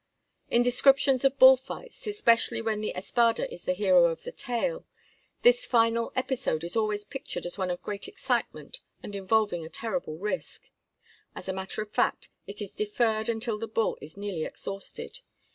In descriptions of bull fights, especially when the espada is the hero of the tale, this final episode is always pictured as one of great excitement and involving a terrible risk. As a matter of fact, it is deferred until the bull is nearly exhausted.